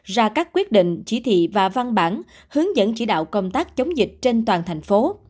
ra các quyết định chỉ thị và văn bản hướng dẫn chỉ đạo công tác chống dịch trên toàn thành phố